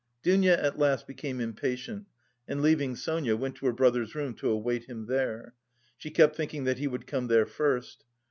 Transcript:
Dounia at last became impatient and, leaving Sonia, went to her brother's room to await him there; she kept thinking that he would come there first.